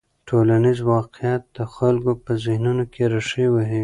ټولنیز واقیعت د خلکو په ذهنونو کې رېښې وهي.